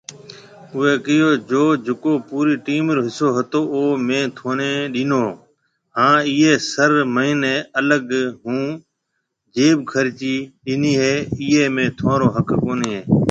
اوئي ڪهيو جو جڪو پوري ٽيم رو حصو هتو او مين ٿوني ڏينو هان اي سر مهني الگ ھونجيب خرچي ڏيني هي ايئي ۾ ٿونرو حق ڪونهي هي